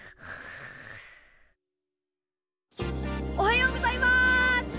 おはようございます！